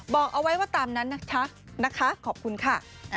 บอกเอาไว้ว่าตามนั้นนะคะขอบคุณค่ะ